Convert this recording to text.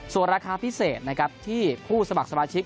ส่วนราคาพิเศษนะครับที่ผู้สมัครสมาชิก